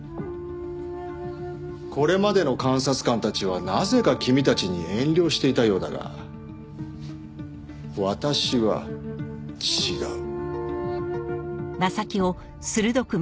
これまでの監察官たちはなぜか君たちに遠慮していたようだが私は違う。